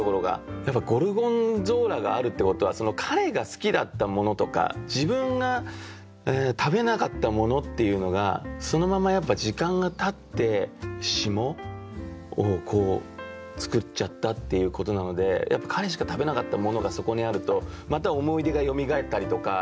ゴルゴンゾーラがあるってことは彼が好きだったものとか自分が食べなかったものっていうのがそのまま時間がたって霜を作っちゃったっていうことなので彼しか食べなかったものがそこにあるとまた思い出がよみがえったりとか。